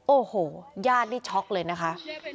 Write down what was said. โอ้โหญาตินี่ช็อกเลยนะคะ